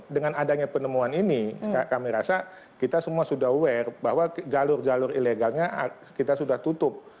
dengan adanya penemuan ini kami rasa kita semua sudah aware bahwa jalur jalur ilegalnya kita sudah tutup